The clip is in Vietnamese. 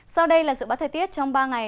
sau đây là dự bá thời tiết trong ba ngày